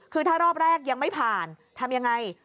คือถ้ารอบแรกยังไม่ผ่านทำยังไง